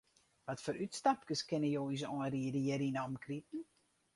Watfoar útstapkes kinne jo ús oanriede hjir yn 'e omkriten?